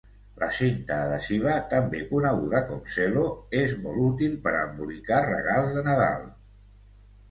La cinta adhesiva, també coneguda com cel·lo, és molt útil per embolicar regals de Nadal.